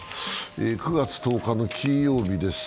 ９月１０日の金曜日です。